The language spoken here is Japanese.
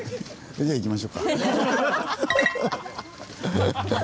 じゃ行きましょうか。